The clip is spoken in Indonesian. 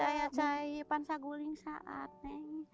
itu air cair panca guling saat nek